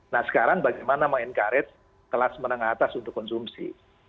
nah sekarang bagaimana meng encourage kelas menengah atas untuk konsumsi